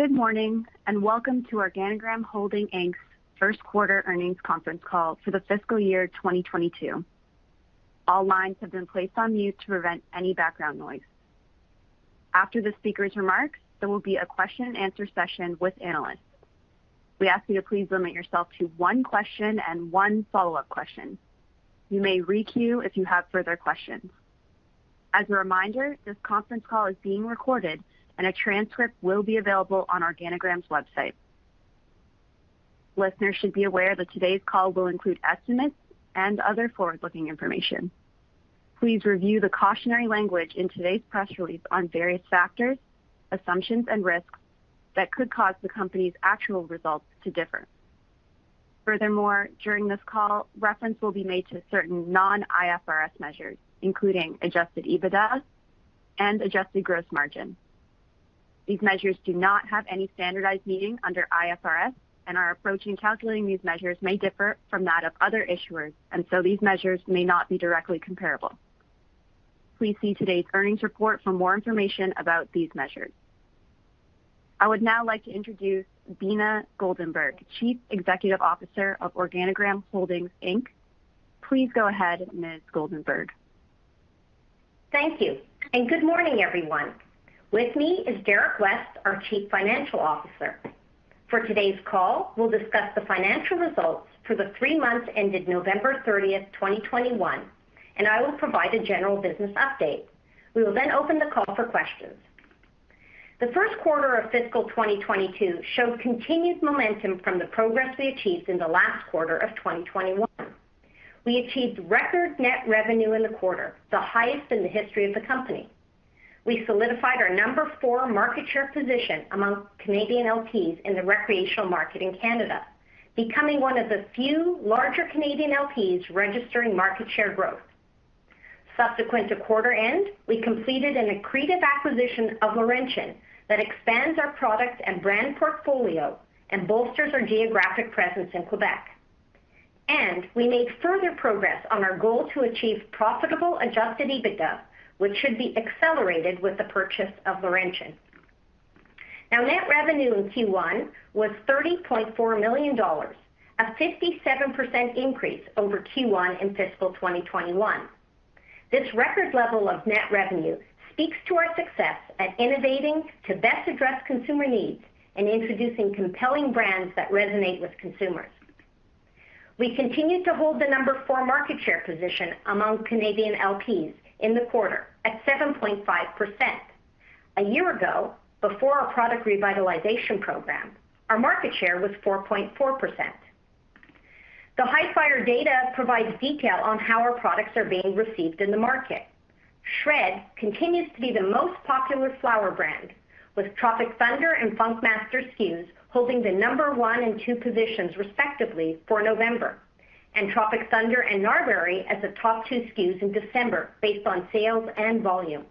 Good morning, and welcome to Organigram Holdings Inc's First Quarter Earnings Conference Call for the Fiscal Year 2022. All lines have been placed on mute to prevent any background noise. After the speaker's remarks, there will be a question and answer session with analysts. We ask you to please limit yourself to one question and one follow-up question. You may re-queue if you have further questions. As a reminder, this conference call is being recorded and a transcript will be available on Organigram's website. Listeners should be aware that today's call will include estimates and other forward-looking information. Please review the cautionary language in today's press release on various factors, assumptions, and risks that could cause the company's actual results to differ. Furthermore, during this call, reference will be made to certain non-IFRS measures, including Adjusted EBITDA and adjusted gross margin. These measures do not have any standardized meaning under IFRS and our approach in calculating these measures may differ from that of other issuers, and so these measures may not be directly comparable. Please see today's earnings report for more information about these measures. I would now like to introduce Beena Goldenberg, Chief Executive Officer of Organigram Holdings Inc. Please go ahead, Ms. Goldenberg. Thank you. Good morning, everyone. With me is Derrick West, our Chief Financial Officer. For today's call, we'll discuss the financial results for the three months ended November 30th, 2021, and I will provide a general business update. We will then open the call for questions. The first quarter of fiscal 2022 showed continued momentum from the progress we achieved in the last quarter of 2021. We achieved record net revenue in the quarter, the highest in the history of the company. We solidified our number four market share position among Canadian LPs in the recreational market in Canada, becoming one of the few larger Canadian LPs registering market share growth. Subsequent to quarter end, we completed an accretive acquisition of Laurentian that expands our product and brand portfolio and bolsters our geographic presence in Quebec. We made further progress on our goal to achieve profitable Adjusted EBITDA, which should be accelerated with the purchase of Laurentian. Now, net revenue in Q1 was 30.4 million dollars, a 57% increase over Q1 in fiscal 2021. This record level of net revenue speaks to our success at innovating to best address consumer needs and introducing compelling brands that resonate with consumers. We continue to hold the number four market share position among Canadian LPs in the quarter at 7.5%. A year ago, before our product revitalization program, our market share was 4.4%. The Hifyre data provides detail on how our products are being received in the market. SHRED continues to be the most popular flower brand, with Tropic Thunder and Funk Master SKUs holding the number one and two positions respectively for November, and Tropic Thunder and Gnarberry as the top two SKUs in December based on sales and volume.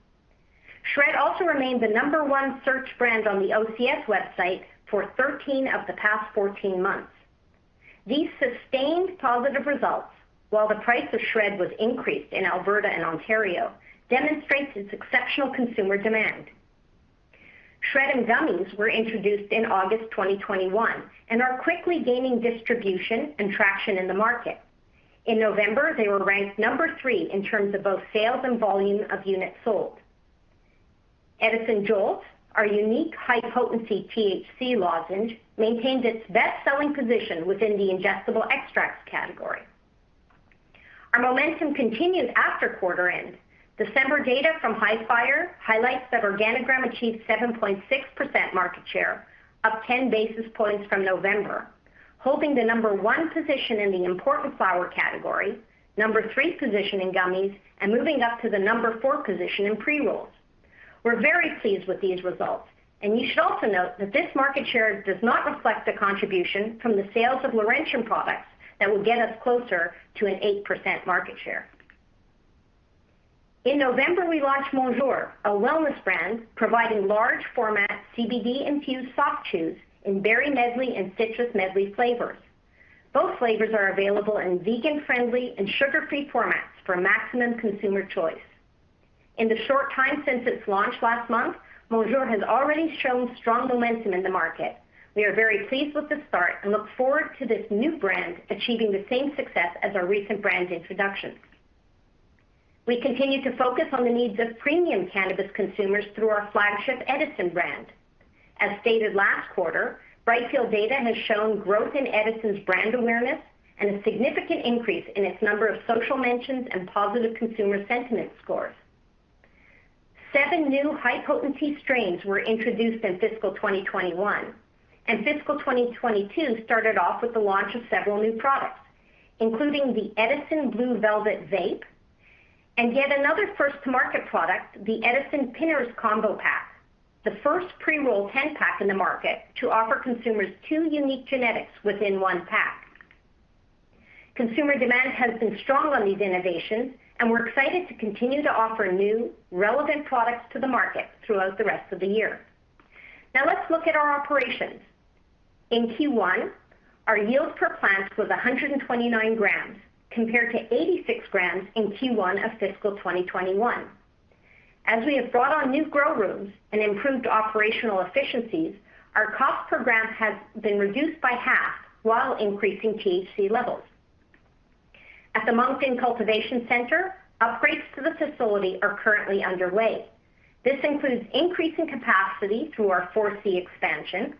SHRED also remained the number one search brand on the OCS website for 13 of the past 14 months. These sustained positive results, while the price of SHRED was increased in Alberta and Ontario, demonstrates its exceptional consumer demand. SHRED and SHRED'ems gummies were introduced in August 2021 and are quickly gaining distribution and traction in the market. In November, they were ranked number three in terms of both sales and volume of units sold. Edison JOLTS, our unique high-potency THC lozenge, maintained its best-selling position within the ingestible extracts category. Our momentum continued after quarter end. December data from Hifyre highlights that Organigram achieved 7.6% market share, up 10 basis points from November, holding the number one position in the important flower category, number three position in gummies, and moving up to the number four position in pre-rolls. We're very pleased with these results, and you should also note that this market share does not reflect the contribution from the sales of Laurentian products that will get us closer to an 8% market share. In November, we launched Monjour, a wellness brand providing large format CBD-infused soft chews in berry medley and citrus medley flavors. Both flavors are available in vegan-friendly and sugar-free formats for maximum consumer choice. In the short time since its launch last month, Monjour has already shown strong momentum in the market. We are very pleased with the start and look forward to this new brand achieving the same success as our recent brand introductions. We continue to focus on the needs of premium cannabis consumers through our flagship Edison brand. As stated last quarter, Brightfield data has shown growth in Edison's brand awareness and a significant increase in its number of social mentions and positive consumer sentiment scores. Seven new high-potency strains were introduced in fiscal 2021, and fiscal 2022 started off with the launch of several new products, including the Edison Blue Velvet Vape, and yet another first-to-market product, the Edison Pinners Combo Pack, the first pre-roll 10-pack in the market to offer consumers two unique genetics within one pack. Consumer demand has been strong on these innovations, and we're excited to continue to offer new relevant products to the market throughout the rest of the year. Now let's look at our operations. In Q1, our yields per plant was 129 g compared to 86 g in Q1 of fiscal 2021. As we have brought on new grow rooms and improved operational efficiencies, our cost per gram has been reduced by half while increasing THC levels. At the Moncton Cultivation Center, upgrades to the facility are currently underway. This includes increasing capacity through our 4C expansion,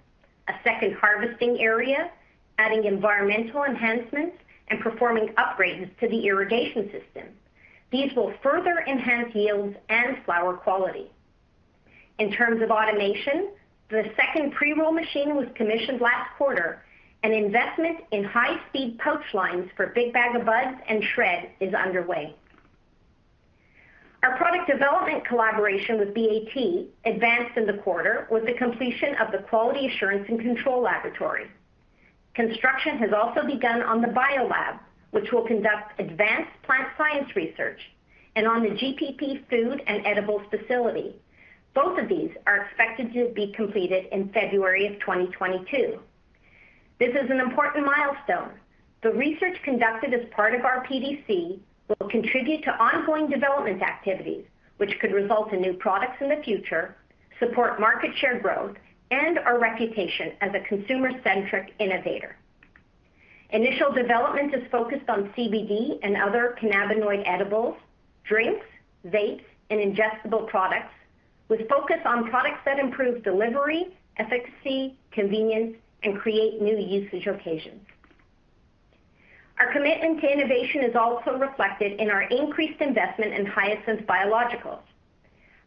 a second harvesting area, adding environmental enhancements, and performing upgrades to the irrigation system. These will further enhance yields and flower quality. In terms of automation, the second pre-roll machine was commissioned last quarter. An investment in high-speed pouch lines for Big Bag O' Buds and SHRED is underway. Our product development collaboration with BAT advanced in the quarter with the completion of the quality assurance and control laboratory. Construction has also begun on the bio lab, which will conduct advanced plant science research and on the GMP food and edibles facility. Both of these are expected to be completed in February 2022. This is an important milestone. The research conducted as part of our PDC will contribute to ongoing development activities, which could result in new products in the future, support market share growth, and our reputation as a consumer-centric innovator. Initial development is focused on CBD and other cannabinoid edibles, drinks, vapes, and ingestible products, with focus on products that improve delivery, efficacy, convenience, and create new usage occasions. Our commitment to innovation is also reflected in our increased investment in Hyasynth Biologicals.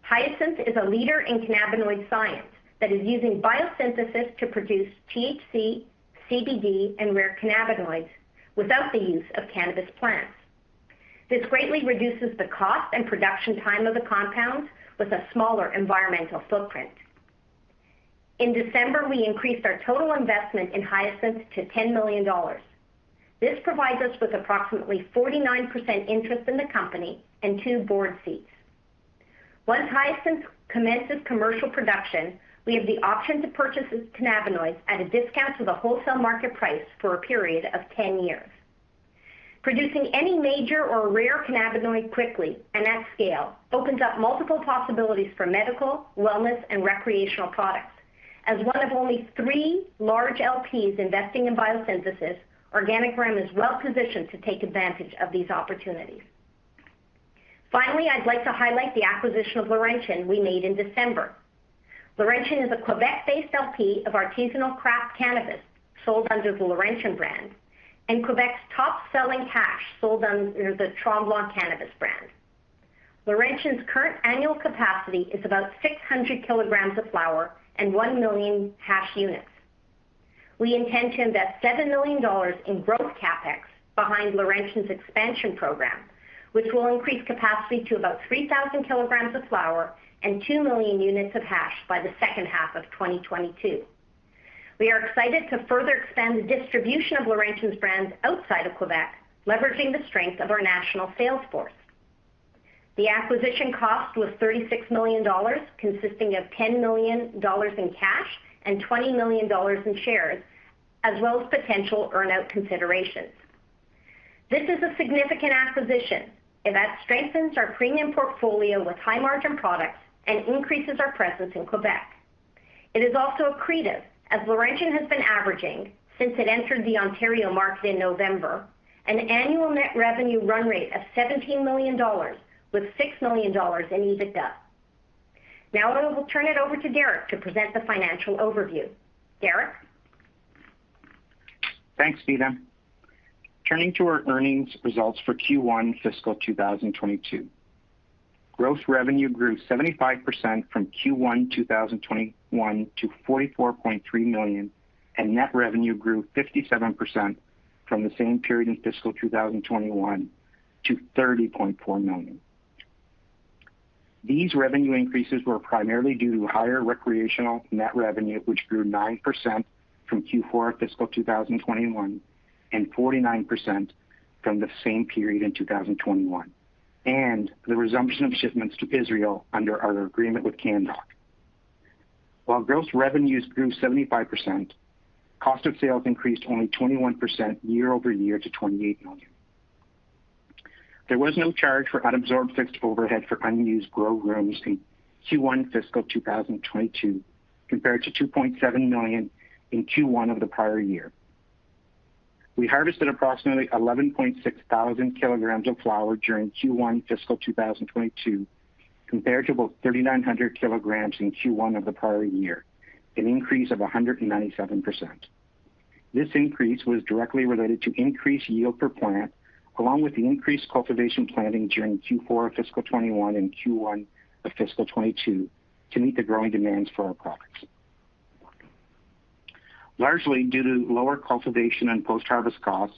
Hyasynth is a leader in cannabinoid science that is using biosynthesis to produce THC, CBD, and rare cannabinoids without the use of cannabis plants. This greatly reduces the cost and production time of the compounds with a smaller environmental footprint. In December, we increased our total investment in Hyasynth to 10 million dollars. This provides us with approximately 49% interest in the company and two board seats. Once Hyasynth commences commercial production, we have the option to purchase its cannabinoids at a discount to the wholesale market price for a period of 10 years. Producing any major or rare cannabinoid quickly and at scale opens up multiple possibilities for medical, wellness, and recreational products. As one of only three large LPs investing in biosynthesis, Organigram is well-positioned to take advantage of these opportunities. Finally, I'd like to highlight the acquisition of Laurentian we made in December. Laurentian is a Quebec-based LP of artisanal craft cannabis sold under the Laurentian brand and Quebec's top-selling hash sold under the Tremblant Cannabis brand. Laurentian's current annual capacity is about 600 kg of flower and 1 million hash units. We intend to invest 7 million dollars in growth CapEx behind Laurentian's expansion program, which will increase capacity to about 3,000 kg of flower and 2 million units of hash by the second half of 2022. We are excited to further expand the distribution of Laurentian's brands outside of Quebec, leveraging the strength of our national sales force. The acquisition cost was 36 million dollars, consisting of 10 million dollars in cash and 20 million dollars in shares, as well as potential earnout considerations. This is a significant acquisition. It strengthens our premium portfolio with high-margin products and increases our presence in Quebec. It is also accretive as Laurentian has been averaging, since it entered the Ontario market in November, an annual net revenue run rate of 17 million dollars with 6 million dollars in EBITDA. Now I will turn it over to Derrick to present the financial overview. Derrick. Thanks, Beena. Turning to our earnings results for Q1 fiscal 2022. Gross revenue grew 75% from Q1 2021 to 44.3 million, and net revenue grew 57% from the same period in fiscal 2021 to 30.4 million. These revenue increases were primarily due to higher recreational net revenue, which grew 9% from Q4 fiscal 2021 and 49% from the same period in 2021, and the resumption of shipments to Israel under our agreement with Canndoc. While gross revenues grew 75%, cost of sales increased only 21% year-over-year to 28 million. There was no charge for unabsorbed fixed overhead for unused grow rooms in Q1 fiscal 2022 compared to 2.7 million in Q1 of the prior year. We harvested approximately 11,600 kg of flower during Q1 fiscal 2022 compared to about 3,900 kg in Q1 of the prior year, an increase of 197%. This increase was directly related to increased yield per plant, along with the increased cultivation planting during Q4 fiscal 2021 and Q1 of fiscal 2022 to meet the growing demands for our products. Largely due to lower cultivation and post-harvest costs,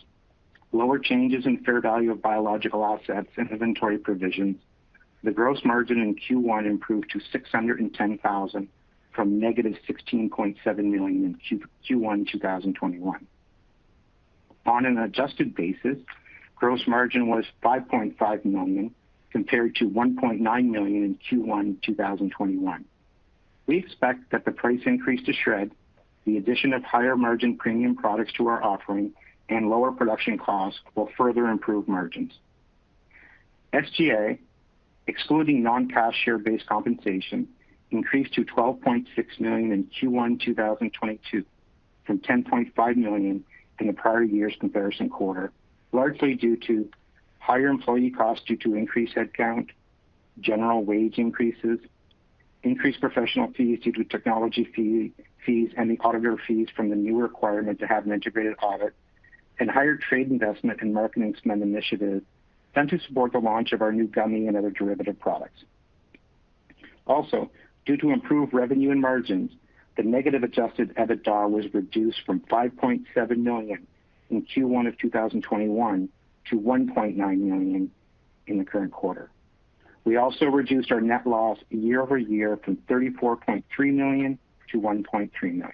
lower changes in fair value of biological assets and inventory provisions, the gross margin in Q1 improved to 610,000 from -16.7 million in Q1 2021. On an adjusted basis, gross margin was 5.5 million compared to 1.9 million in Q1 2021. We expect that the price increase to SHRED, the addition of higher margin premium products to our offering, and lower production costs will further improve margins. SG&A, excluding non-cash share-based compensation, increased to 12.6 million in Q1 2022 from 10.5 million in the prior year's comparison quarter, largely due to higher employee costs due to increased headcount, general wage increases, increased professional fees due to technology fee, fees, and audit fees from the new requirement to have an integrated audit, and higher trade investment in marketing spend initiatives done to support the launch of our new gummy and other derivative products. Also, due to improved revenue and margins, the negative Adjusted EBITDA was reduced from 5.7 million in Q1 of 2021 to 1.9 million in the current quarter. We also reduced our net loss year-over-year from 34.3 million to 1.3 million.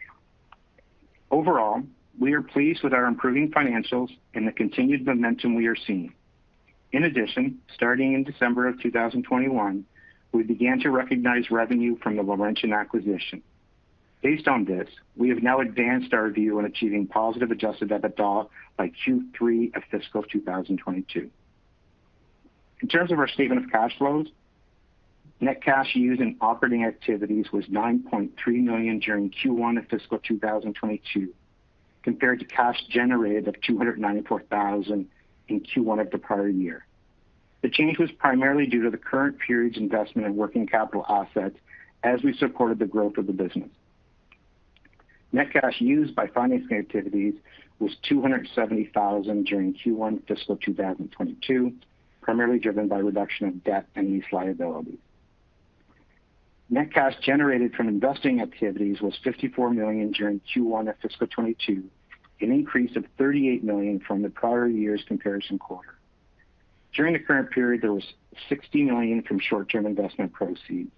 Overall, we are pleased with our improving financials and the continued momentum we are seeing. In addition, starting in December of 2021, we began to recognize revenue from the Laurentian acquisition. Based on this, we have now advanced our view on achieving positive Adjusted EBITDA by Q3 of fiscal 2022. In terms of our statement of cash flows, net cash used in operating activities was 9.3 million during Q1 of fiscal 2022, compared to cash generated of 294 thousand in Q1 of the prior year. The change was primarily due to the current period's investment in working capital assets as we supported the growth of the business. Net cash used by financing activities was 270,000 during Q1 fiscal 2022, primarily driven by reduction of debt and lease liability. Net cash generated from investing activities was 54 million during Q1 of fiscal 2022, an increase of 38 million from the prior year's comparison quarter. During the current period, there was 60 million from short-term investment proceeds,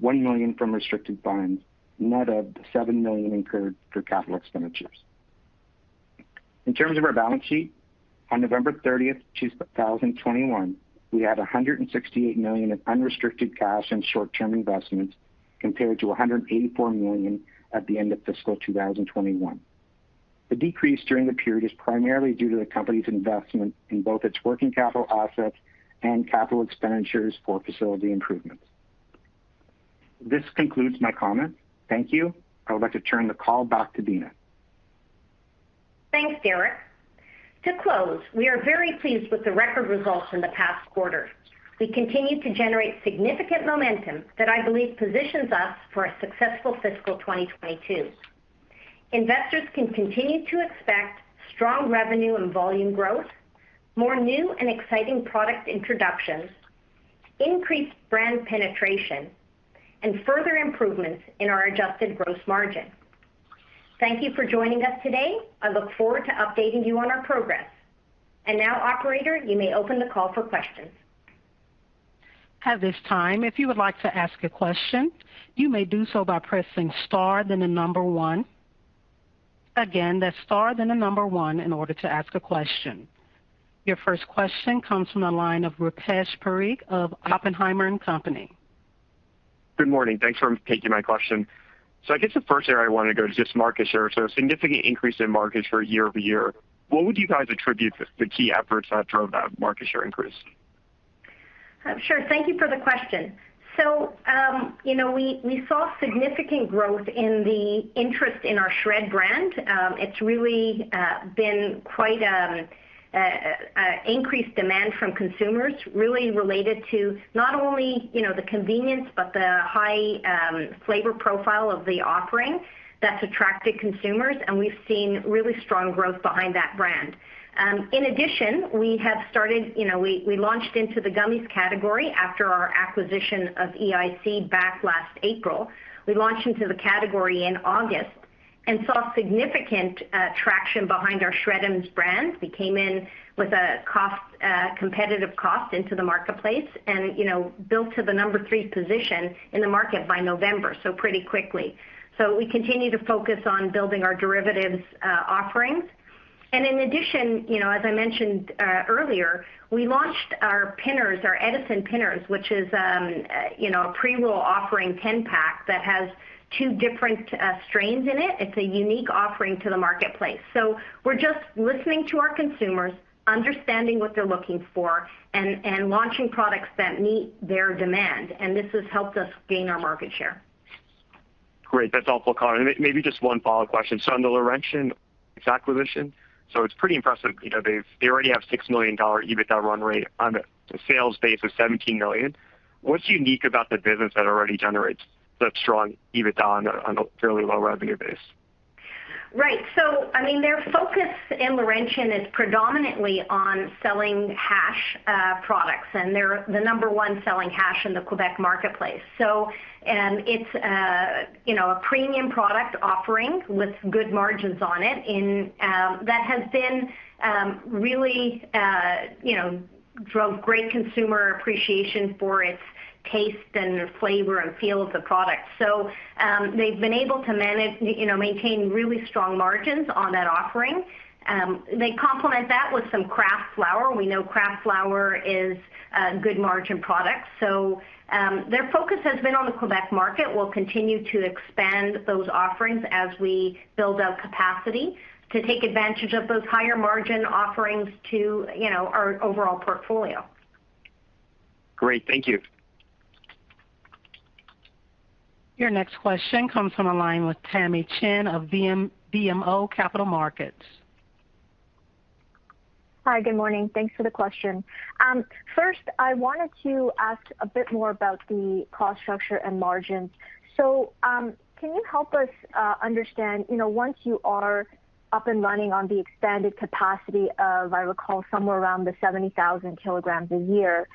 1 million from restricted funds, net of the 7 million incurred for capital expenditures. In terms of our balance sheet, on November 30th, 2021, we had 168 million of unrestricted cash and short-term investments, compared to 184 million at the end of fiscal 2021. The decrease during the period is primarily due to the company's investment in both its working capital assets and capital expenditures for facility improvements. This concludes my comments. Thank you. I would like to turn the call back to Beena. Thanks, Derrick. To close, we are very pleased with the record results in the past quarter. We continue to generate significant momentum that I believe positions us for a successful fiscal 2022. Investors can continue to expect strong revenue and volume growth, more new and exciting product introductions, increased brand penetration, and further improvements in our adjusted gross margin. Thank you for joining us today. I look forward to updating you on our progress. Now, operator, you may open the call for questions. At this time, if you would like to ask a question, you may do so by pressing star, then the number one. Again, that's star, then the number one in order to ask a question. Your first question comes from the line of Rupesh Parikh of Oppenheimer & Co. Good morning. Thanks for taking my question. I guess the first area I want to go to is just market share. A significant increase in market share year-over-year. What would you guys attribute the key efforts that drove that market share increase? Sure. Thank you for the question. You know, we saw significant growth in the interest in our SHRED brand. It's really been quite increased demand from consumers really related to not only, you know, the convenience but the high flavor profile of the offering that's attracted consumers, and we've seen really strong growth behind that brand. In addition, we launched into the gummies category after our acquisition of EIC back last April. We launched into the category in August and saw significant traction behind our SHRED'ems brand. We came in with a competitive cost into the marketplace and, you know, built to the number three position in the market by November, so pretty quickly. We continue to focus on building our derivatives offerings. In addition, you know, as I mentioned earlier, we launched our pinners, our Edison Pinners, which is, you know, a pre-roll offering 10-pack that has two different strains in it. It's a unique offering to the marketplace. We're just listening to our consumers, understanding what they're looking for, and launching products that meet their demand. This has helped us gain our market share. Great. That's all for calling. Maybe just one follow-up question. On the Laurentian acquisition, it's pretty impressive. You know, they already have 6 million dollar EBITDA run rate on a sales base of 17 million. What's unique about the business that already generates such strong EBITDA on a fairly low revenue base? I mean, their focus in Laurentian is predominantly on selling hash products, and they're the number one selling hash in the Quebec marketplace. It's you know a premium product offering with good margins on it and that has been really you know drove great consumer appreciation for its taste and flavor and feel of the product. They've been able to manage you know maintain really strong margins on that offering. They complement that with some craft flower. We know craft flower is a good margin product. Their focus has been on the Quebec market. We'll continue to expand those offerings as we build out capacity to take advantage of those higher margin offerings to you know our overall portfolio. Great. Thank you. Your next question comes from a line with Tamy Chen of BMO Capital Markets. Hi, good morning. Thanks for the question. First, I wanted to ask a bit more about the cost structure and margins. Can you help us understand, you know, once you are up and running on the expanded capacity of, I recall, somewhere around the 70,000 kg a year,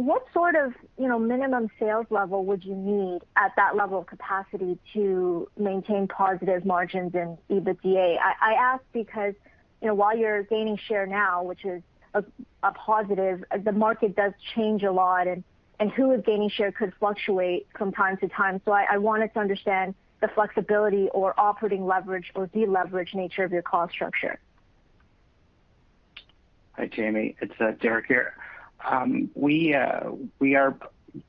what sort of, you know, minimum sales level would you need at that level of capacity to maintain positive margins in EBITDA? I ask because, you know, while you're gaining share now, which is a positive, the market does change a lot and who is gaining share could fluctuate from time to time. I wanted to understand the flexibility or operating leverage or deleverage nature of your cost structure. Hi, Tamy. It's Derrick here. We are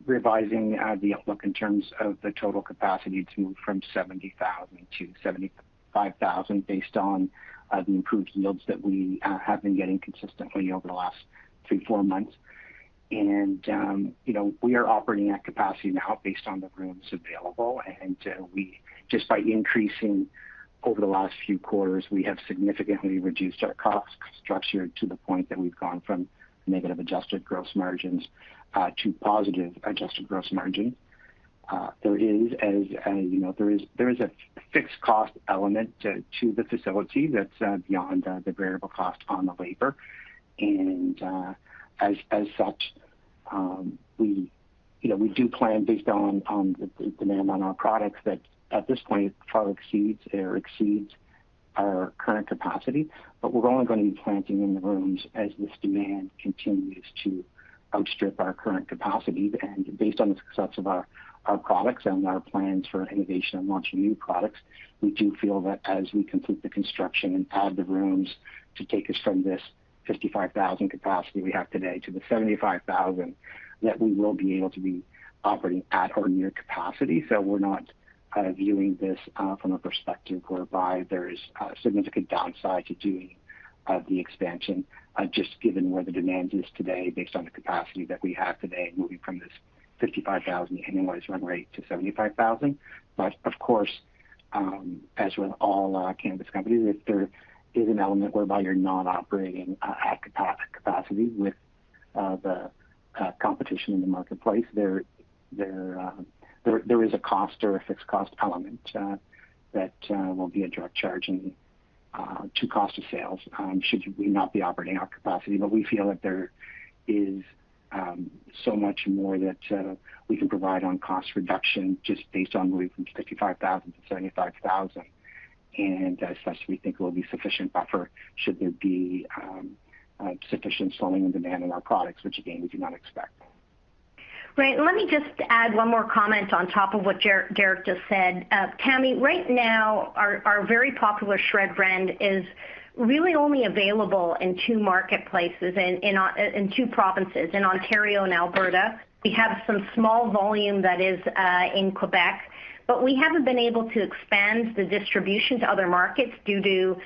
revising the outlook in terms of the total capacity to move from 70,000 kg-75,000 kg based on the improved yields that we have been getting consistently over the last three, four months. You know, we are operating at capacity now based on the rooms available, and we just by increasing over the last few quarters, we have significantly reduced our cost structure to the point that we've gone from negative adjusted gross margins to positive adjusted gross margin. There is, as you know, a fixed cost element to the facility that's beyond the variable cost on the labor. We, you know, we do plan based on the demand on our products that at this point, product exceeds our current capacity. We're only gonna be planting in the rooms as this demand continues to outstrip our current capacity. Based on the success of our products and our plans for innovation and launching new products, we do feel that as we complete the construction and add the rooms to take us from this 55,000 kg capacity we have today to the 75,000 kg, that we will be able to be operating at or near capacity. We're not viewing this from a perspective whereby there is a significant downside to doing the expansion, just given where the demand is today, based on the capacity that we have today, moving from this 55,000 kg annualized run rate to 75,000 kg. Of course, as with all cannabis companies, if there is an element whereby you're not operating at capacity with the competition in the marketplace, there is a cost or a fixed cost element that will be a direct charge to cost of sales, should we not be operating our capacity. We feel that there is so much more that we can provide on cost reduction just based on moving from 55,000 kg-75,000 kg. As such, we think it will be sufficient buffer should there be sufficient slowing in demand in our products, which again, we do not expect. Let me just add one more comment on top of what Derrick just said. Tamy, right now our very popular SHRED brand is really only available in two marketplaces, in two provinces, in Ontario and Alberta. We have some small volume that is in Quebec, but we haven't been able to expand the distribution to other markets due to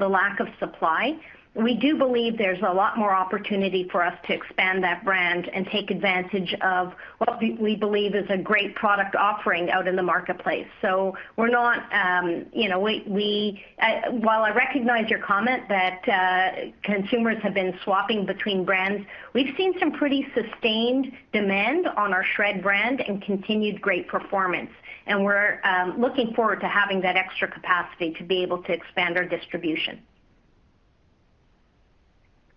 the lack of supply. We do believe there's a lot more opportunity for us to expand that brand and take advantage of what we believe is a great product offering out in the marketplace. While I recognize your comment that consumers have been swapping between brands, we've seen some pretty sustained demand on our SHRED brand and continued great performance. We're looking forward to having that extra capacity to be able to expand our distribution.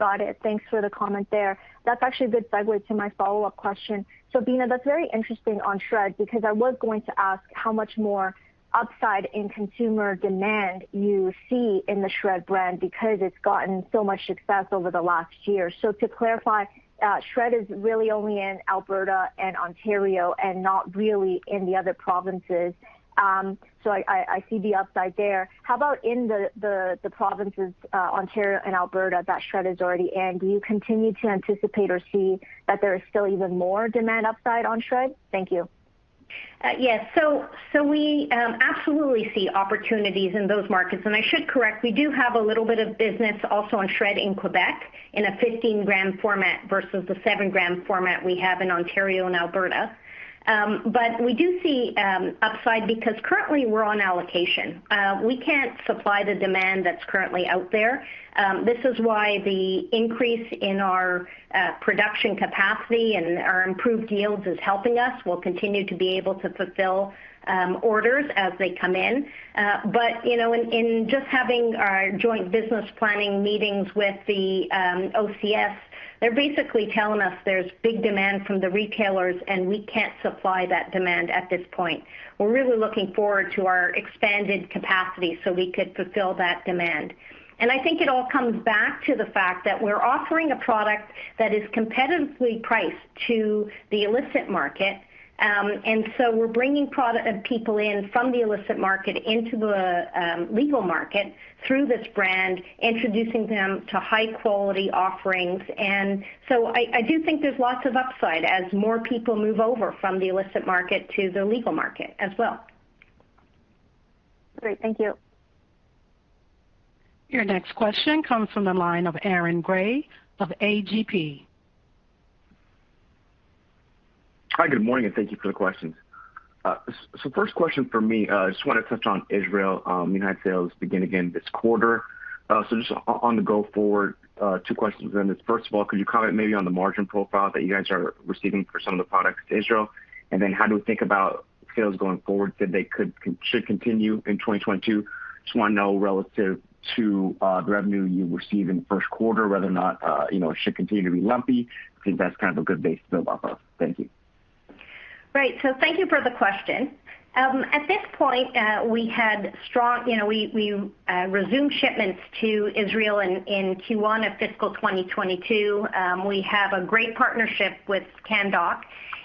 Got it. Thanks for the comment there. That's actually a good segue to my follow-up question. Beena, that's very interesting on SHRED because I was going to ask how much more upside in consumer demand you see in the SHRED brand because it's gotten so much success over the last year. To clarify, SHRED is really only in Alberta and Ontario and not really in the other provinces. I see the upside there. How about in the provinces, Ontario and Alberta that SHRED is already in? Do you continue to anticipate or see that there is still even more demand upside on SHRED? Thank you. We absolutely see opportunities in those markets. I should correct, we do have a little bit of business also on SHRED in Quebec in a 15 g format versus the 7 g format we have in Ontario and Alberta. We do see upside because currently we're on allocation. We can't supply the demand that's currently out there. This is why the increase in our production capacity and our improved yields is helping us. We'll continue to be able to fulfill orders as they come in. You know, in just having our joint business planning meetings with the OCS. They're basically telling us there's big demand from the retailers, and we can't supply that demand at this point. We're really looking forward to our expanded capacity so we could fulfill that demand. I think it all comes back to the fact that we're offering a product that is competitively priced to the illicit market. We're bringing people in from the illicit market into the legal market through this brand, introducing them to high quality offerings. I do think there's lots of upside as more people move over from the illicit market to the legal market as well. Great. Thank you. Your next question comes from the line of Aaron Grey of A.G.P. Hi, good morning, and thank you for the questions. So first question for me, I just want to touch on Israel. You had sales begin again this quarter. Just on the going forward, two questions then. First of all, could you comment maybe on the margin profile that you guys are receiving for some of the products to Israel? And then how do we think about sales going forward that they should continue in 2022? Just want to know relative to the revenue you receive in the first quarter, whether or not, you know, it should continue to be lumpy. I think that's kind of a good base to build off of. Thank you. Right. Thank you for the question. We resumed shipments to Israel in Q1 of fiscal 2022. We have a great partnership with Canndoc,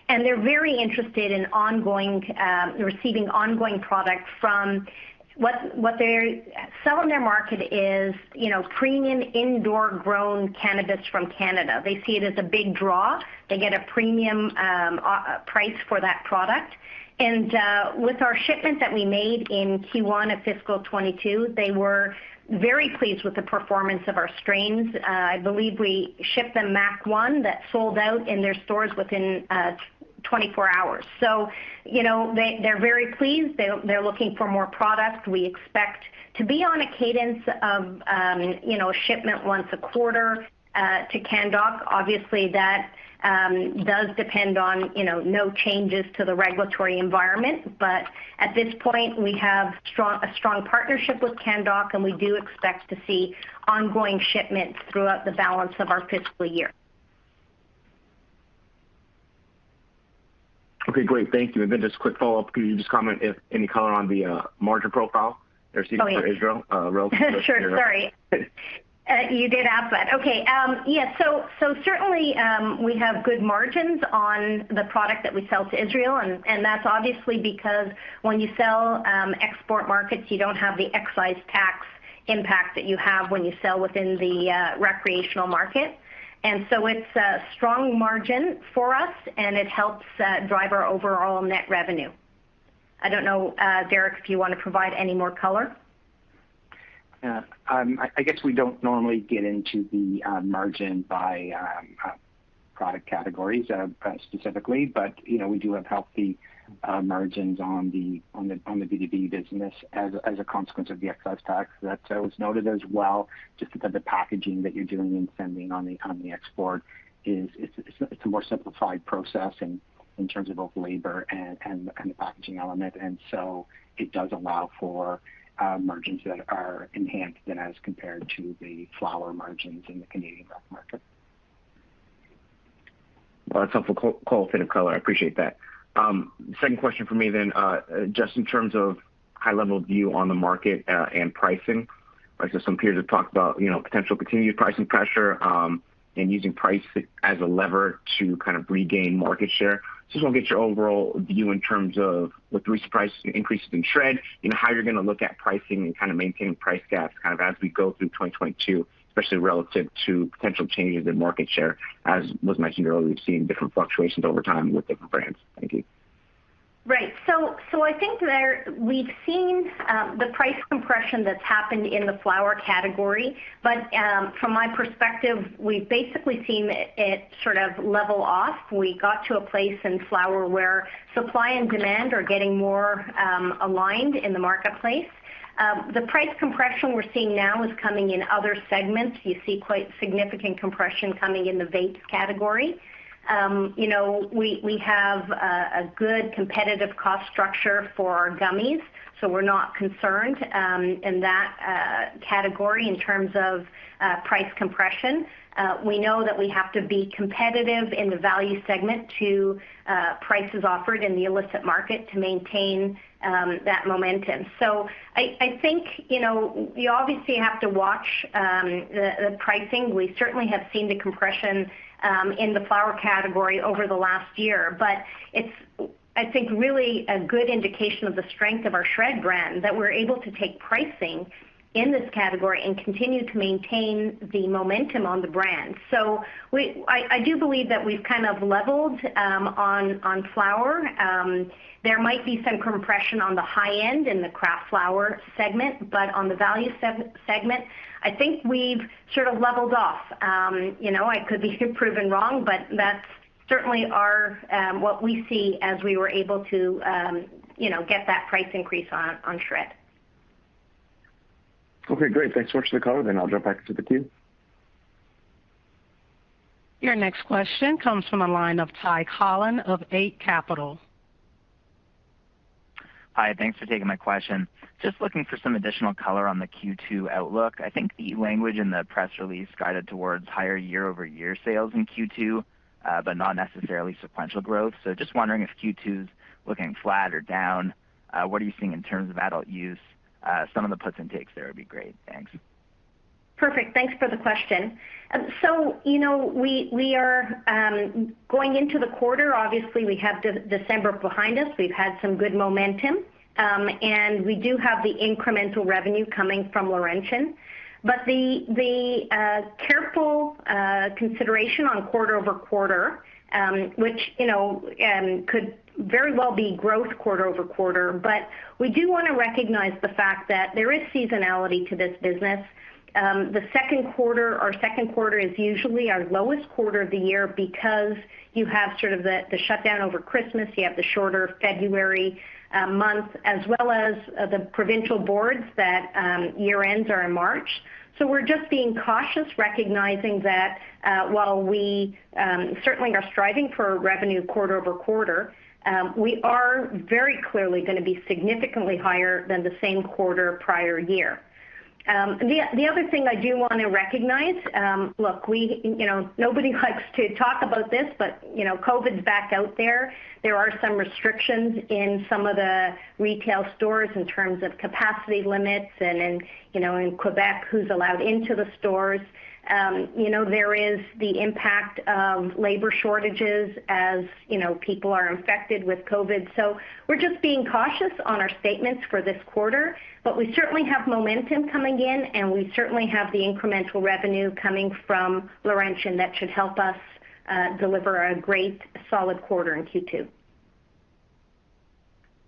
and they're very interested in continuing to receive ongoing product from us. What they're selling in their market is premium indoor grown cannabis from Canada. They see it as a big draw. They get a premium price for that product. With our shipment that we made in Q1 of fiscal 2022, they were very pleased with the performance of our strains. I believe we shipped them MAC-1 that sold out in their stores within 24 hours. You know, they're very pleased. They're looking for more product. We expect to be on a cadence of, you know, a shipment once a quarter, to Canndoc. Obviously, that does depend on, you know, no changes to the regulatory environment. At this point, we have a strong partnership with Canndoc, and we do expect to see ongoing shipments throughout the balance of our fiscal year. Okay, great. Thank you. Just a quick follow-up. Could you just comment if any color on the margin profile you're seeing... Oh, yeah. for Israel, relative to? Sure. Sorry. You did ask that. Okay. Yes. Certainly, we have good margins on the product that we sell to Israel, and that's obviously because when you sell to export markets, you don't have the excise tax impact that you have when you sell within the recreational market. It's a strong margin for us, and it helps drive our overall net revenue. I don't know, Derrick, if you want to provide any more color. Yeah. I guess we don't normally get into the margin by product categories specifically. You know, we do have healthy margins on the B2B business as a consequence of the excise tax. That was noted as well just because the packaging that you're doing and sending on the export is a more simplified process in terms of both labor and the packaging element. It does allow for margins that are enhanced than as compared to the flower margins in the Canadian rec market. Well, that's helpful. Color. I appreciate that. Second question for me, just in terms of high-level view on the market and pricing. Right. Some peers have talked about, you know, potential continued pricing pressure, and using price as a lever to kind of regain market share. Just want to get your overall view in terms of with recent price increases in SHRED, you know, how you're going to look at pricing and kind of maintain price gaps kind of as we go through 2022, especially relative to potential changes in market share. As was mentioned earlier, we've seen different fluctuations over time with different brands. Thank you. Right. I think that we've seen the price compression that's happened in the flower category. From my perspective, we've basically seen it sort of level off. We got to a place in flower where supply and demand are getting more aligned in the marketplace. The price compression we're seeing now is coming in other segments. You see quite significant compression coming in the vapes category. You know, we have a good competitive cost structure for our gummies, so we're not concerned in that category in terms of price compression. We know that we have to be competitive in the value segment to prices offered in the illicit market to maintain that momentum. I think, you know, you obviously have to watch the pricing. We certainly have seen the compression in the flower category over the last year. It's, I think, really a good indication of the strength of our SHRED brand, that we're able to take pricing in this category and continue to maintain the momentum on the brand. I do believe that we've kind of leveled on flower. There might be some compression on the high-end in the craft flower segment, but on the value segment, I think we've sort of leveled off. You know, I could be proven wrong, but that's certainly what we see as we were able to you know get that price increase on SHRED. Okay, great. Thanks so much for the color, then I'll jump back into the queue. Your next question comes from the line of Ty Collin of Eight Capital. Hi, thanks for taking my question. Just looking for some additional color on the Q2 outlook. I think the language in the press release guided towards higher year-over-year sales in Q2, but not necessarily sequential growth. Just wondering if Q2 is looking flat or down. What are you seeing in terms of adult use? Some of the puts and takes there would be great. Thanks. Perfect. Thanks for the question. We are going into the quarter, obviously we have December behind us. We've had some good momentum, and we do have the incremental revenue coming from Laurentian. But the careful consideration on quarter-over-quarter, which could very well be growth quarter-over-quarter, but we do want to recognize the fact that there is seasonality to this business. The second quarter—our second quarter is usually our lowest quarter of the year because you have sort of the shutdown over Christmas, you have the shorter February month, as well as the provincial boards that year ends are in March. We're just being cautious recognizing that, while we certainly are striving for revenue quarter-over-quarter, we are very clearly going to be significantly higher than the same quarter prior year. The other thing I do want to recognize, look, we, you know, nobody likes to talk about this, but you know, COVID's back out there. There are some restrictions in some of the retail stores in terms of capacity limits and in, you know, in Quebec, who's allowed into the stores. You know, there is the impact of labor shortages as, you know, people are infected with COVID. We're just being cautious on our statements for this quarter, but we certainly have momentum coming in and we certainly have the incremental revenue coming from Laurentian that should help us deliver a great solid quarter in Q2.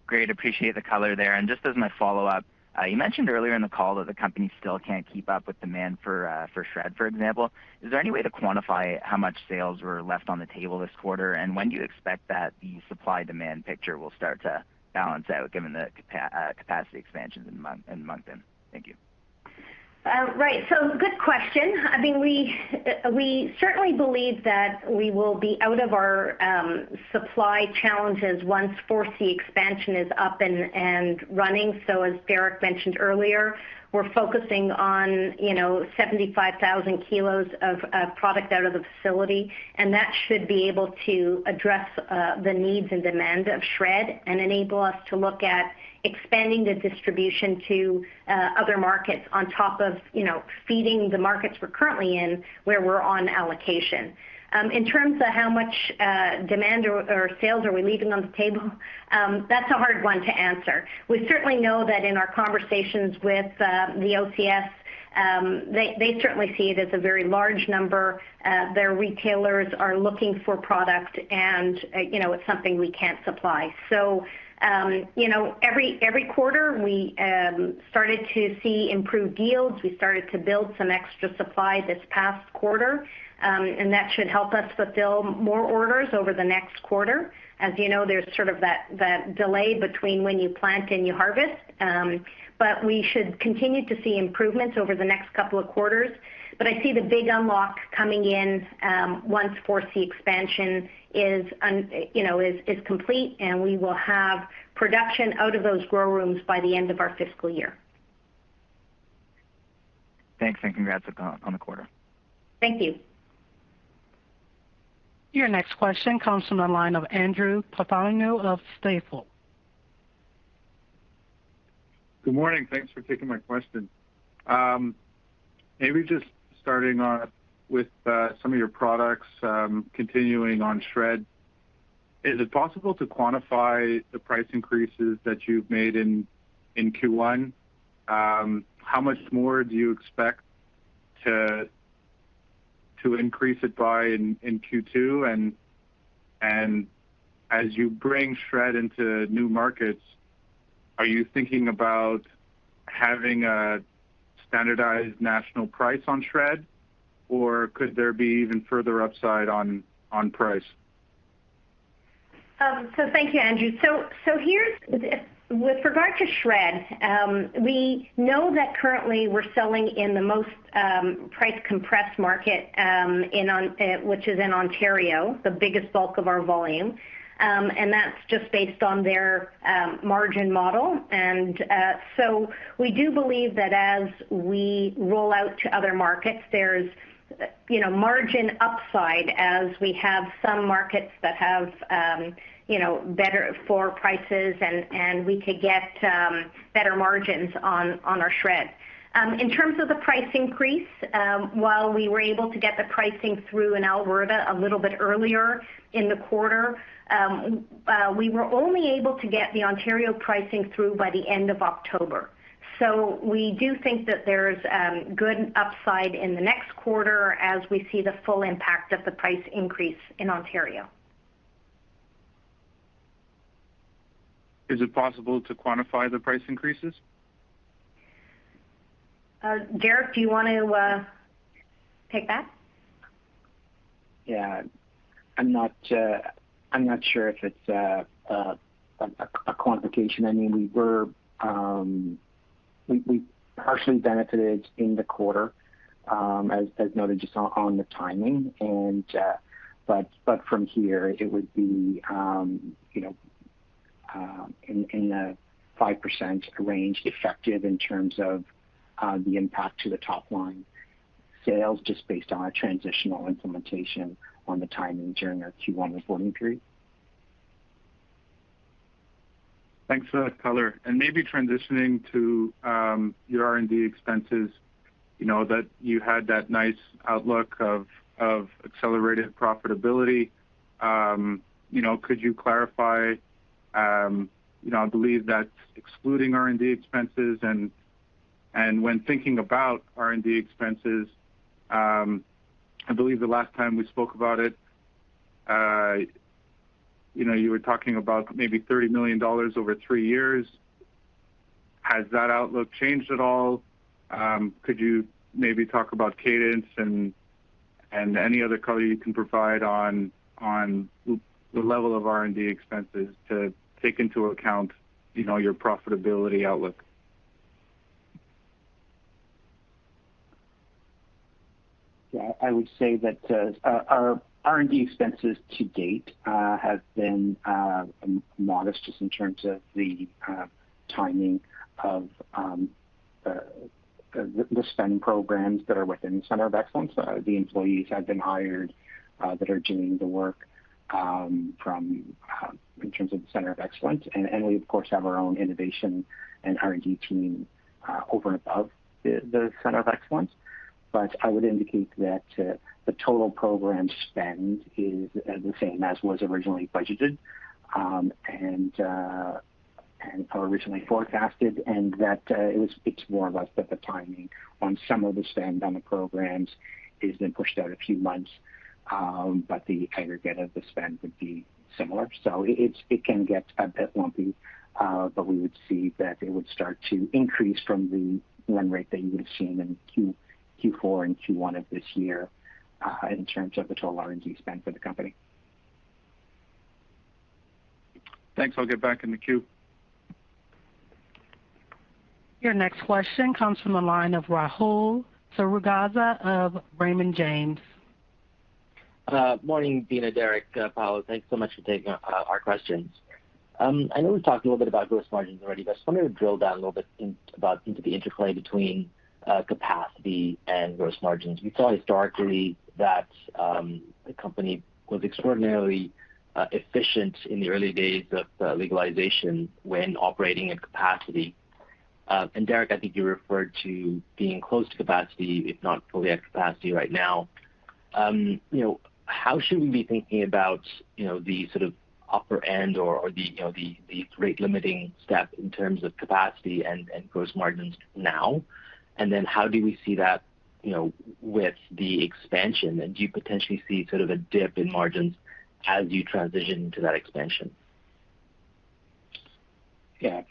Great. Appreciate the color there. Just as my follow-up, you mentioned earlier in the call that the company still can't keep up with demand for SHRED, for example. Is there any way to quantify how much sales were left on the table this quarter? When do you expect that the supply demand picture will start to balance out given the capacity expansions in Moncton? Thank you. Right. Good question. I mean, we certainly believe that we will be out of our supply challenges once 4C expansion is up and running. As Derrick mentioned earlier, we're focusing on, you know, 75,000 kg of product out of the facility, and that should be able to address the needs and demand of SHRED and enable us to look at expanding the distribution to other markets on top of, you know, feeding the markets we're currently in, where we're on allocation. In terms of how much demand or sales are we leaving on the table, that's a hard one to answer. We certainly know that in our conversations with the OCS, they certainly see it as a very large number. Their retailers are looking for product and, you know, it's something we can't supply. Every quarter we started to see improved yields. We started to build some extra supply this past quarter, and that should help us fulfill more orders over the next quarter. As you know, there's sort of that delay between when you plant and you harvest. We should continue to see improvements over the next couple of quarters. I see the big unlock coming in, once 4C expansion is complete, and we will have production out of those grow rooms by the end of our fiscal year. Thanks, congrats on the quarter. Thank you. Your next question comes from the line of Andrew Partheniou of Stifel. Good morning. Thanks for taking my question. Maybe just starting off with some of your products, continuing on SHRED. Is it possible to quantify the price increases that you've made in Q1? How much more do you expect to increase it by in Q2? As you bring SHRED into new markets, are you thinking about having a standardized national price on SHRED? Or could there be even further upside on price? Thank you, Andrew. Here's with regard to SHRED, we know that currently we're selling in the most price-compressed market in Ontario, the biggest bulk of our volume. That's just based on their margin model. We do believe that as we roll out to other markets, there's, you know, margin upside as we have some markets that have, you know, better floor prices and we could get better margins on our SHRED. In terms of the price increase, while we were able to get the pricing through in Alberta a little bit earlier in the quarter, we were only able to get the Ontario pricing through by the end of October. We do think that there's good upside in the next quarter as we see the full impact of the price increase in Ontario. Is it possible to quantify the price increases? Derrick, do you want to take that? Yeah. I'm not sure if it's a quantification. I mean, we were-We partially benefited in the quarter, as noted just on the timing and, but from here it would be, you know, in the 5% range effective in terms of, the impact to the top line sales just based on our transitional implementation on the timing during our Q1 reporting period. Thanks for that color. Maybe transitioning to your R&D expenses, you know, that you had that nice outlook of accelerated profitability. You know, could you clarify, you know, I believe that's excluding R&D expenses and when thinking about R&D expenses, I believe the last time we spoke about it, you know, you were talking about maybe 30 million dollars over three years. Has that outlook changed at all? Could you maybe talk about cadence and any other color you can provide on the level of R&D expenses to take into account, you know, your profitability outlook? Yeah. I would say that our R&D expenses to date have been modest just in terms of the timing of the spend programs that are within the center of excellence. The employees have been hired that are doing the work in terms of the center of excellence. We of course have our own innovation and R&D team over and above the center of excellence. I would indicate that the total program spend is the same as was originally budgeted and originally forecasted, and that it's more or less that the timing on some of the spend on the programs has been pushed out a few months, but the aggregate of the spend would be similar. It can get a bit lumpy, but we would see that it would start to increase from the run rate that you would have seen in Q4 and Q1 of this year, in terms of the total R&D spend for the company. Thanks. I'll get back in the queue. Your next question comes from the line of Rahul Sarugaser of Raymond James. Morning Beena, Derrick, Paolo. Thanks so much for taking our questions. I know we've talked a little bit about gross margins already, but I just wanted to drill down a little bit into the interplay between capacity and gross margins. We saw historically that the company was extraordinarily efficient in the early days of legalization when operating at capacity. Derrick, I think you referred to being close to capacity, if not fully at capacity right now. You know, how should we be thinking about you know the sort of upper end or the you know the rate limiting step in terms of capacity and gross margins now? How do we see that, you know, with the expansion? Do you potentially see sort of a dip in margins as you transition to that expansion? Yeah.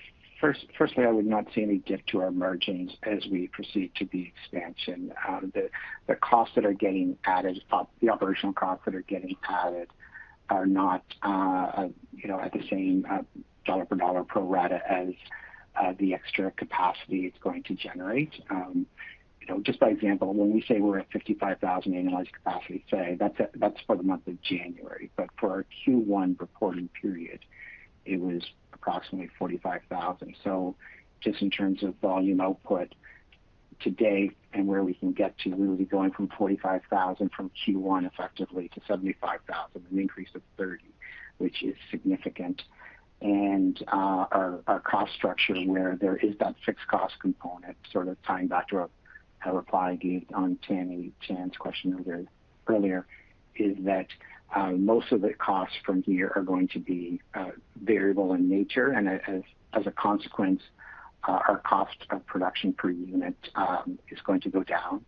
Firstly, I would not see any dip to our margins as we proceed to the expansion. The costs that are getting added are not, you know, at the same dollar-for-dollar pro rata as the extra capacity it's going to generate. You know, just by example, when we say we're at 55,000 kg annualized capacity today, that's for the month of January. For our Q1 reporting period, it was approximately 45,000 kg. Just in terms of volume output to date and where we can get to, we would be going from 45,000 kg from Q1 effectively to 75,000 kg, an increase of 30,000 kg, which is significant. Our cost structure where there is that fixed cost component, sort of tying back to a reply I gave on Tamy Chen's question earlier, is that most of the costs from here are going to be variable in nature. As a consequence, our cost of production per unit is going to go down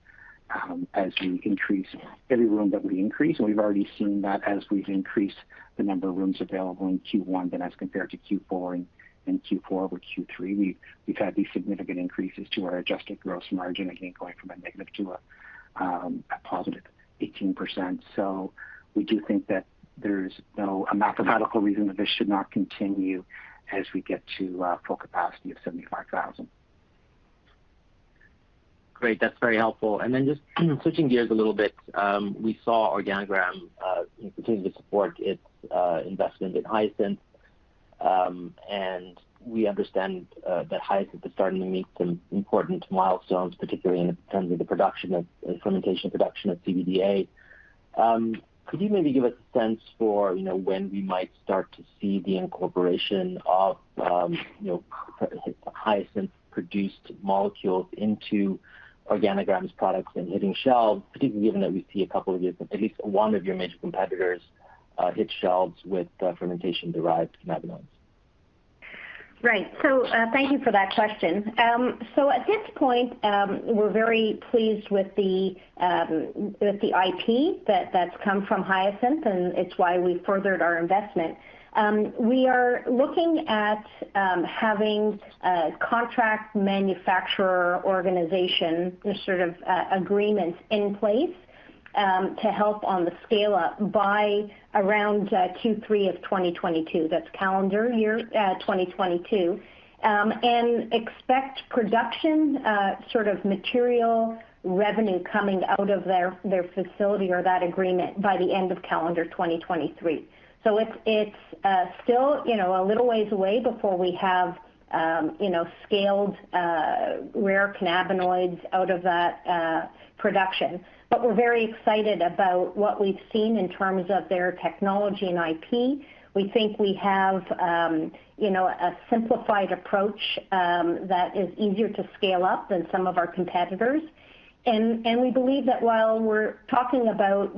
as we increase every room that we increase. We've already seen that as we've increased the number of rooms available in Q1 as compared to Q4. In Q4 over Q3, we've had these significant increases to our adjusted gross margin, again, going from a negative to a positive 18%. We do think that there's no mathematical reason that this should not continue as we get to full capacity of 75,000 kg. Great. That's very helpful. Just switching gears a little bit, we saw Organigram continue to support its investment in Hyasynth. We understand that Hyasynth is starting to meet some important milestones, particularly in terms of fermentation production of CBDA. Could you maybe give a sense for when we might start to see the incorporation of Hyasynth-produced molecules into Organigram's products and hitting shelves, particularly given that we see a couple of your, at least one of your major competitors hit shelves with fermentation-derived cannabinoids? Right. Thank you for that question. At this point, we're very pleased with the IP that's come from Hyasynth, and it's why we furthered our investment. We are looking at having a contract manufacturer organization, the sort of agreements in place, to help on the scale-up by around Q3 of 2022. That's calendar year 2022. Expect production, sort of material revenue coming out of their facility or that agreement by the end of calendar 2023. It's still, you know, a little ways away before we have, you know, scaled rare cannabinoids out of that production. We're very excited about what we've seen in terms of their technology and IP. We think we have, you know, a simplified approach that is easier to scale up than some of our competitors. We believe that while we're talking about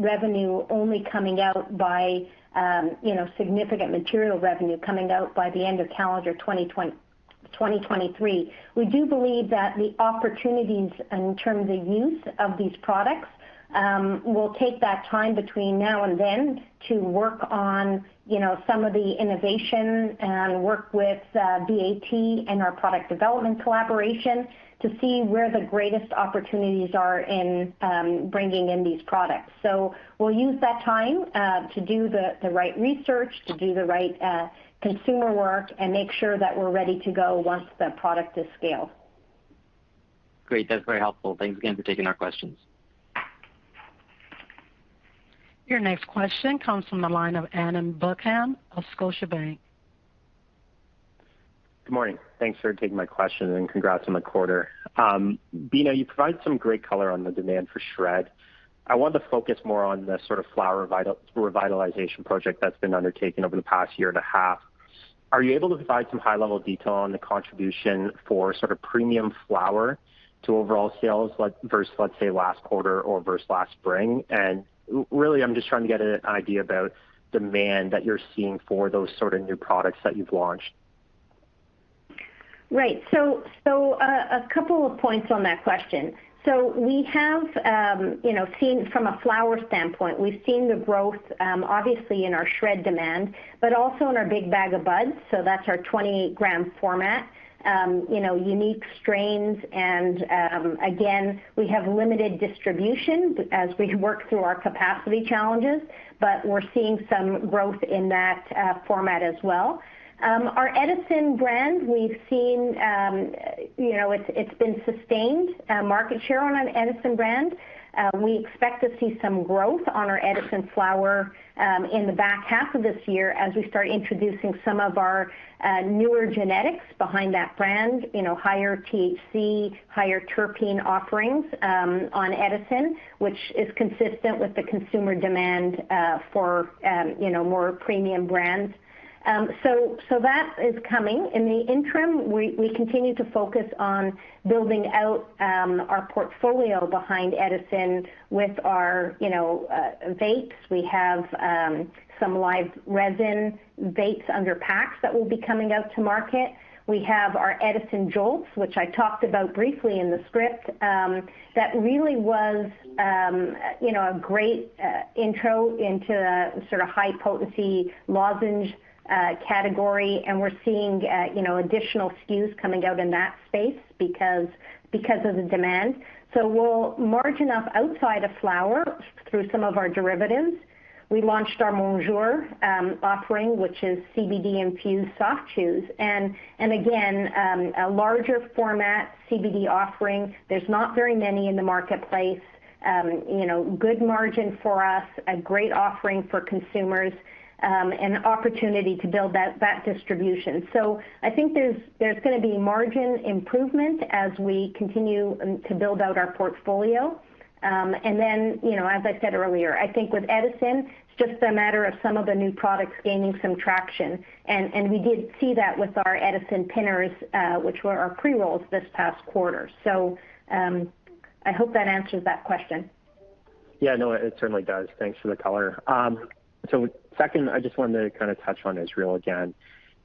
significant material revenue coming out by the end of calendar 2023, we do believe that the opportunities in terms of use of these products will take that time between now and then to work on, you know, some of the innovation and work with BAT and our product development collaboration to see where the greatest opportunities are in bringing in these products. We'll use that time to do the right research, to do the right consumer work, and make sure that we're ready to go once the product is scaled. Great. That's very helpful. Thanks again for taking our questions. Your next question comes from the line of Adam Buckham of Scotiabank. Good morning. Thanks for taking my question, and congrats on the quarter. Beena, you provide some great color on the demand for SHRED. I want to focus more on the sort of flower revitalization project that's been undertaken over the past year and a half. Are you able to provide some high-level detail on the contribution for sort of premium flower to overall sales, like, versus, let's say, last quarter or versus last spring? Really, I'm just trying to get an idea about demand that you're seeing for those sort of new products that you've launched. Right. A couple of points on that question. We have, you know, seen from a flower standpoint, we've seen the growth, obviously in our SHRED demand, but also in our Big Bag O' Buds. That's our 28 g format. You know, unique strains and, again, we have limited distribution as we work through our capacity challenges, but we're seeing some growth in that format as well. Our Edison brand, we've seen, you know, it's been sustained market share in an Edison brand. We expect to see some growth on our Edison flower in the back half of this year as we start introducing some of our newer genetics behind that brand, you know, higher THC, higher terpene offerings on Edison, which is consistent with the consumer demand for you know, more premium brands. That is coming. In the interim, we continue to focus on building out our portfolio behind Edison with our you know, vapes. We have some live resin vapes under PAX that will be coming out to market. We have our Edison JOLTS, which I talked about briefly in the script, that really was, you know, a great intro into the sort of high-potency lozenge category, and we're seeing, you know, additional SKUs coming out in that space because of the demand. So we'll margin up outside of flower through some of our derivatives. We launched our Monjour offering, which is CBD-infused soft chews and again, a larger format CBD offering. There's not very many in the marketplace. You know, good margin for us, a great offering for consumers, and opportunity to build that distribution. So I think there's gonna be margin improvement as we continue to build out our portfolio. you know, as I said earlier, I think with Edison, it's just a matter of some of the new products gaining some traction. We did see that with our Edison Pinners, which were our pre-rolls this past quarter. I hope that answers that question. Yeah, no, it certainly does. Thanks for the color. Second, I just wanted to kind of touch on Israel again.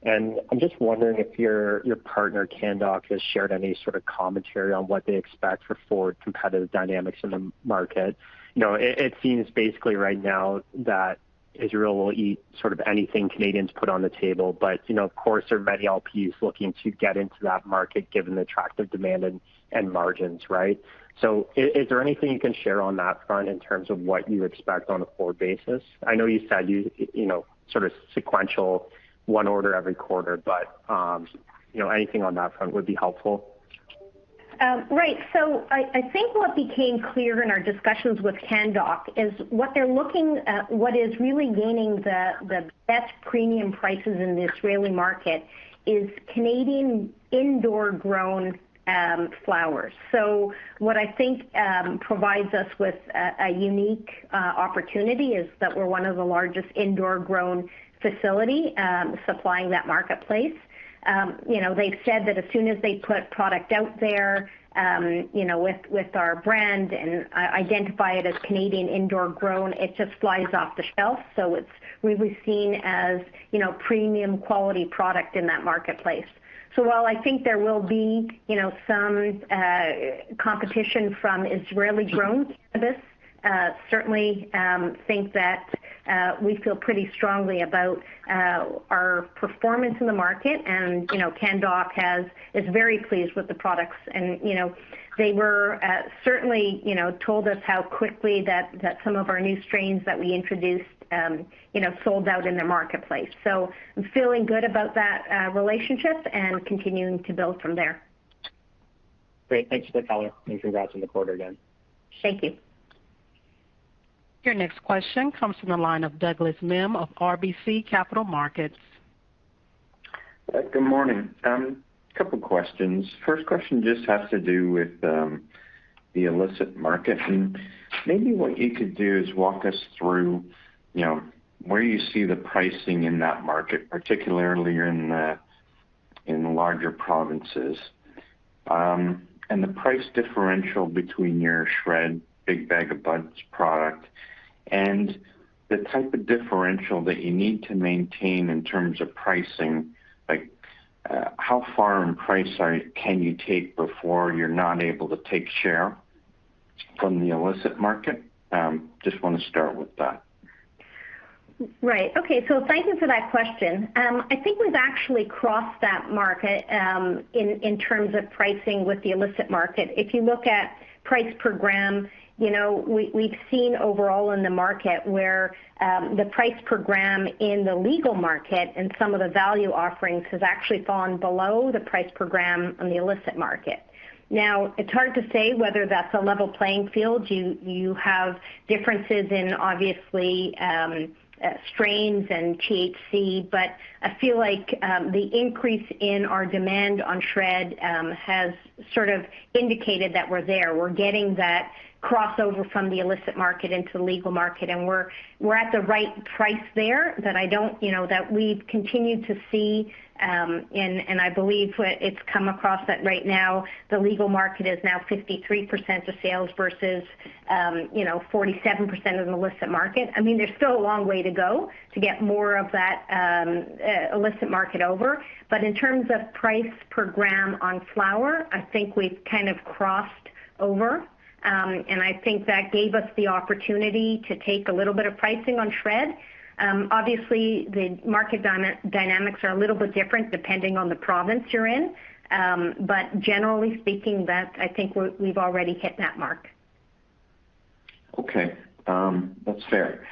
I'm just wondering if your partner, Canndoc, has shared any sort of commentary on what they expect for forward competitive dynamics in the market. You know, it seems basically right now that Israel will eat sort of anything Canadians put on the table. You know, of course, there are many LPs looking to get into that market given the attractive demand and margins, right? Is there anything you can share on that front in terms of what you expect on a forward basis? I know you said you know, sort of sequential one order every quarter, but you know, anything on that front would be helpful. Right. I think what became clear in our discussions with Canndoc is what they're looking at, what is really gaining the best premium prices in the Israeli market is Canadian indoor-grown flowers. What I think provides us with a unique opportunity is that we're one of the largest indoor-grown facility supplying that marketplace. You know, they've said that as soon as they put product out there, you know, with our brand and identify it as Canadian indoor-grown, it just flies off the shelf. We've been seen as, you know, premium quality product in that marketplace. While I think there will be, you know, some competition from Israeli-grown cannabis, certainly think that we feel pretty strongly about our performance in the market and, you know, Canndoc is very pleased with the products and, you know, they were certainly, you know, told us how quickly that some of our new strains that we introduced, you know, sold out in their marketplace. I'm feeling good about that relationship and continuing to build from there. Great. Thanks for the color and congrats on the quarter again. Thank you. Your next question comes from the line of Douglas Miehm of RBC Capital Markets. Good morning. Couple questions. First question just has to do with the illicit market. Maybe what you could do is walk us through, you know, where you see the pricing in that market, particularly in larger provinces, and the price differential between your SHRED, Big Bag O' Buds product and the type of differential that you need to maintain in terms of pricing, like how far in price can you take before you're not able to take share from the illicit market? Just wanna start with that. Right. Okay. Thank you for that question. I think we've actually crossed that market in terms of pricing with the illicit market. If you look at price per gram, you know, we've seen overall in the market where the price per gram in the legal market and some of the value offerings has actually fallen below the price per gram on the illicit market. Now, it's hard to say whether that's a level playing field. You have differences in, obviously, strains and THC, but I feel like the increase in our demand on SHRED has sort of indicated that we're there. We're getting that crossover from the illicit market into the legal market, and we're at the right price there that I don't, you know, that we've continued to see, and I believe it's come across that right now the legal market is now 53% of sales versus, you know, 47% of the illicit market. I mean, there's still a long way to go to get more of that illicit market over. In terms of price per gram on flower, I think we've kind of crossed over. I think that gave us the opportunity to take a little bit of pricing on SHRED. Obviously, the market dynamics are a little bit different depending on the province you're in. Generally speaking, that I think we've already hit that mark. Okay. That's fair.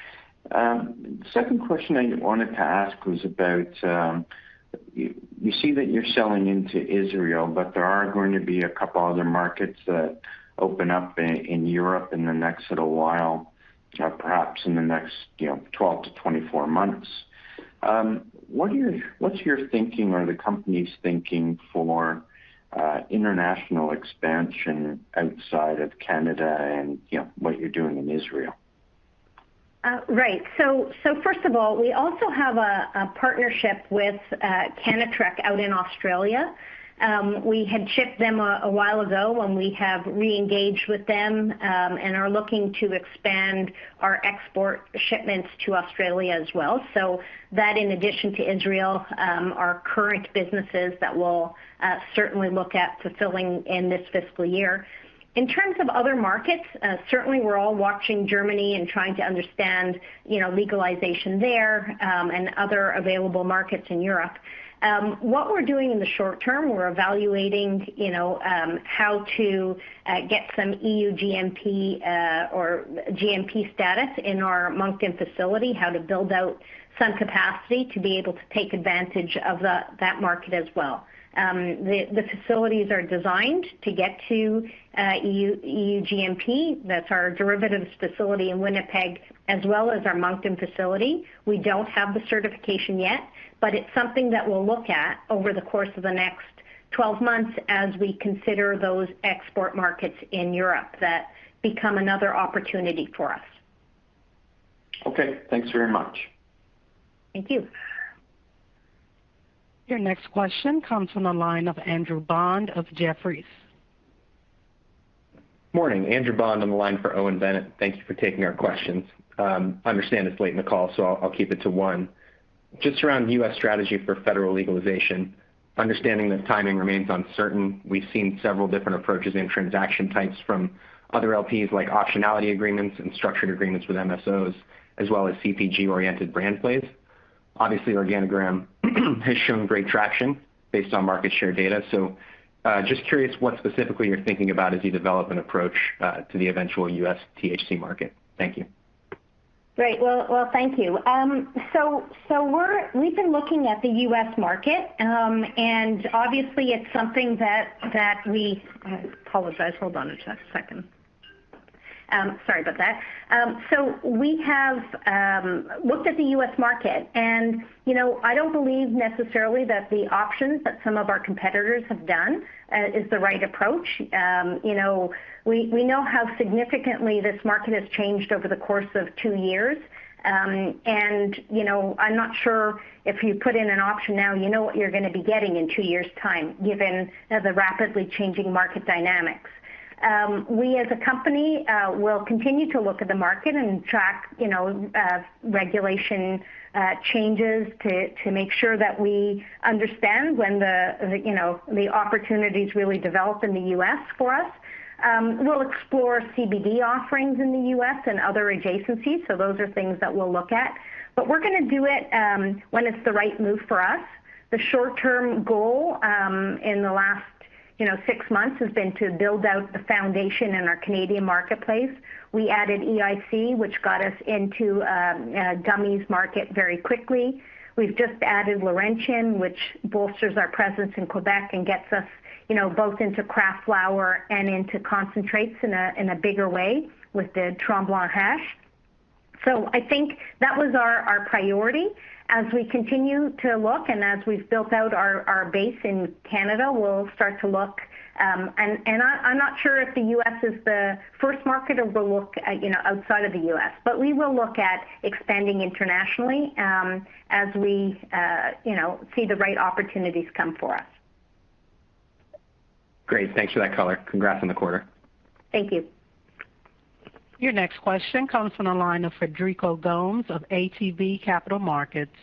Second question I wanted to ask was about, we see that you're selling into Israel, but there are going to be a couple other markets that open up in Europe in the next little while, perhaps in the next, you know, 12-24 months. What's your thinking or the company's thinking for, international expansion outside of Canada and, you know, what you're doing in Israel? Right. First of all, we also have a partnership with Cannatrek out in Australia. We had shipped them a while ago, and we have reengaged with them, and are looking to expand our export shipments to Australia as well. That in addition to Israel, are current businesses that we'll certainly look at fulfilling in this fiscal year. In terms of other markets, certainly we're all watching Germany and trying to understand, you know, legalization there, and other available markets in Europe. What we're doing in the short term, we're evaluating, you know, how to get some EU GMP or GMP status in our Moncton facility, how to build out some capacity to be able to take advantage of that market as well. The facilities are designed to get to EU GMP. That's our derivatives facility in Winnipeg, as well as our Moncton facility. We don't have the certification yet, but it's something that we'll look at over the course of the next 12 months as we consider those export markets in Europe that become another opportunity for us. Okay. Thanks very much. Thank you. Your next question comes from the line of Andrew Bond of Jefferies. Morning. Andrew Bond on the line for Owen Bennett. Thank you for taking our questions. I understand it's late in the call, so I'll keep it to one. Just around the U.S. strategy for federal legalization. Understanding that timing remains uncertain, we've seen several different approaches and transaction types from other LPs like optionality agreements and structured agreements with MSOs, as well as CPG-oriented brand plays. Obviously, Organigram has shown great traction based on market share data. Just curious what specifically you're thinking about as you develop an approach to the eventual U.S. THC market. Thank you. Great. Well, thank you. I apologize. Hold on just a second. Sorry about that. We have looked at the U.S. market and, you know, I don't believe necessarily that the options that some of our competitors have done is the right approach. You know, we know how significantly this market has changed over the course of two years. You know, I'm not sure if you put in an option now, you know what you're gonna be getting in two years' time, given the rapidly changing market dynamics. We as a company will continue to look at the market and track, you know, regulation changes to make sure that we understand when the you know the opportunities really develop in the U.S. for us. We'll explore CBD offerings in the U.S. and other adjacencies, so those are things that we'll look at. We're gonna do it when it's the right move for us. The short-term goal in the last you know six months has been to build out the foundation in our Canadian marketplace. We added EIC, which got us into gummies market very quickly. We've just added Laurentian, which bolsters our presence in Quebec and gets us, you know, both into craft flower and into concentrates in a bigger way with the Tremblant hash. I think that was our priority. As we continue to look and as we've built out our base in Canada, we'll start to look. I'm not sure if the U.S. is the first market or we'll look at, you know, outside of the U.S., but we will look at expanding internationally, as we, you know, see the right opportunities come for us. Great. Thanks for that color. Congrats on the quarter. Thank you. Your next question comes from the line of Frederico Gomes of ATB Capital Markets.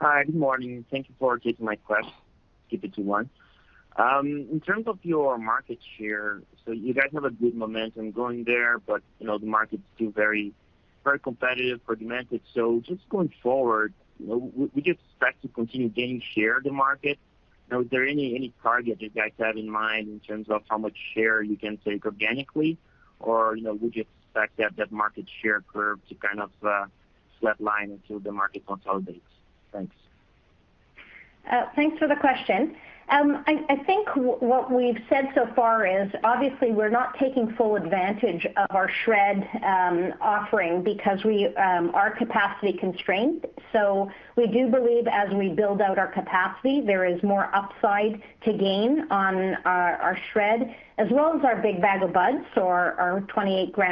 Hi, good morning. In terms of your market share, you guys have a good momentum going there, but you know, the market's still very, very competitive for demand. Just going forward, you know, we could expect to continue gaining share of the market. You know, is there any target you guys have in mind in terms of how much share you can take organically? You know, would you expect that market share curve to kind of flatline until the market consolidates? Thanks. Thanks for the question. I think what we've said so far is obviously we're not taking full advantage of our SHRED offering because we are capacity constrained. We do believe as we build out our capacity, there is more upside to gain on our SHRED as well as our Big Bag O' Buds or our 28 g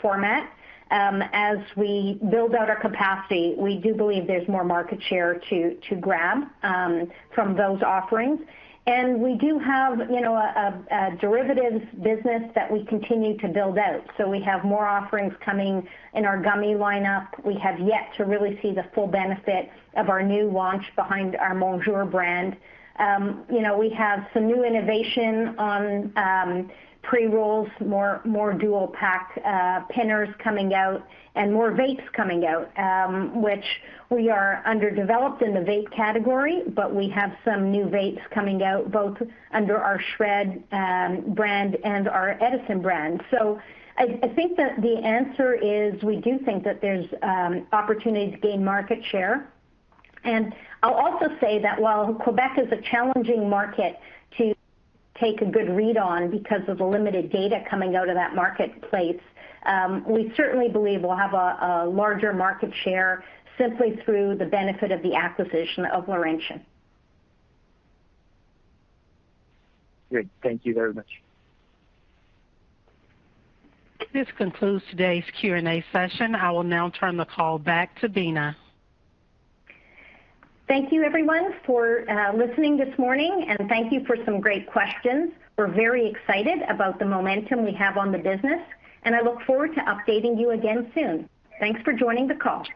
format. As we build out our capacity, we do believe there's more market share to grab from those offerings. We do have, you know, a derivatives business that we continue to build out. We have more offerings coming in our gummy lineup. We have yet to really see the full benefit of our new launch behind our Monjour brand. You know, we have some new innovation on pre-rolls, more dual packed pinners coming out and more vapes coming out, which we are underdeveloped in the vape category, but we have some new vapes coming out both under our SHRED brand and our Edison brand. I think that the answer is we do think that there's opportunities to gain market share. I'll also say that while Quebec is a challenging market to take a good read on because of the limited data coming out of that marketplace, we certainly believe we'll have a larger market share simply through the benefit of the acquisition of Laurentian. Great. Thank you very much. This concludes today's Q&A session. I will now turn the call back to Beena. Thank you everyone for listening this morning, and thank you for some great questions. We're very excited about the momentum we have on the business, and I look forward to updating you again soon. Thanks for joining the call.